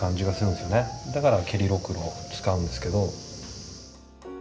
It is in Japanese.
だから蹴りろくろを使うんですけど。